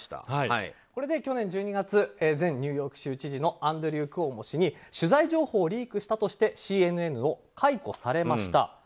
去年１２月前ニューヨーク州知事のアンドリュー・クオモ氏に取材情報をリークしたとしてＣＮＮを解雇されました。